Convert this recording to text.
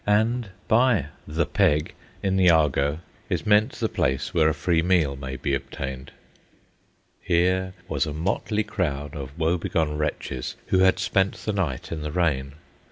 And by "the peg," in the argot, is meant the place where a free meal may be obtained. Here was a motley crowd of woebegone wretches who had spent the night in the rain.